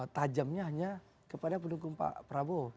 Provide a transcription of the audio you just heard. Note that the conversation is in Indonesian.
tajamnya hanya kepada pendukung pak prabowo